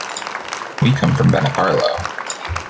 We come from Benicarló.